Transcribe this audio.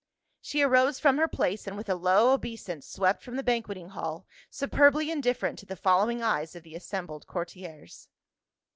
She arose from her place and with a low obeisance swept from the banqueting hall, superbly indifferent to the following eyes of the assembled courtiers.